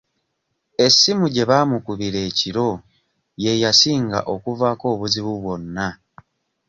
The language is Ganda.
Essimu gye baamukubira ekiro ye yasinga okuvaako obuzibu bwonna.